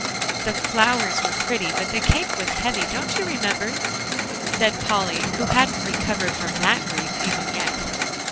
"The flowers were pretty, but the cake was heavy, don't you remember?" said Polly, who hadn't recovered from that grief even yet.